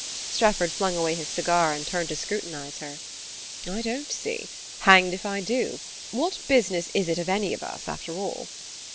Strefford flung away his cigar and turned to scrutinize her. "I don't see hanged if I do. What business is it of any of us, after all?"